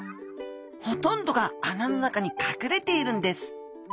ほとんどが穴の中にかくれているんです。